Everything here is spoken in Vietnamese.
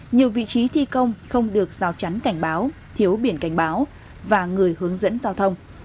nhiều vị trí thi công không được rào chắn cảnh báo thiếu biển cảnh báo và người hướng dẫn giao thông